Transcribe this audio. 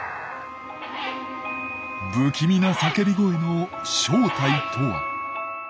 不気味な叫び声の正体とは？